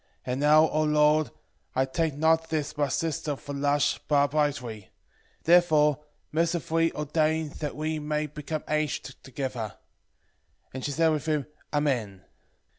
8:7 And now, O Lord, I take not this my sister for lust, but uprightly: therefore mercifully ordain that we may become aged together. 8:8 And she said with him, Amen.